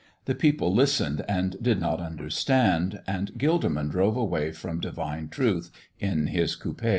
The people listened and did not understand, and Gilderman drove away from Divine Truth in his coupé.